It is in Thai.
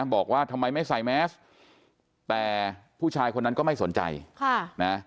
บอกว่าทำไมไม่ใส่แมสแต่ผู้ชายคนนั้นก็ไม่สนใจค่ะนะ